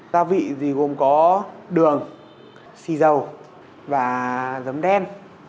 gia vị thì gồm có đường xì dầu và giấm đen